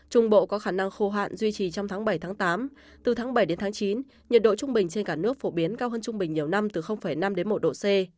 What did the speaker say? trung bộ có khả năng khô hạn duy trì trong tháng bảy tám từ tháng bảy đến tháng chín nhiệt độ trung bình trên cả nước phổ biến cao hơn trung bình nhiều năm từ năm đến một độ c